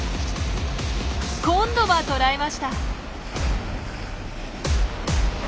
今度は捕らえました。